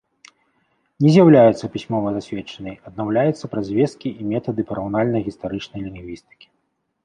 Не з'яўляецца пісьмова засведчанай, аднаўляецца праз звесткі і метады параўнальна-гістарычнай лінгвістыкі.